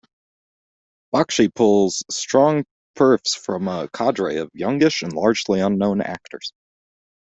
Bakshi pulls strong perfs from a cadre of youngish and largely unknown actors.